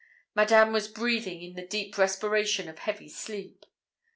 Madame was breathing in the deep respiration of heavy sleep.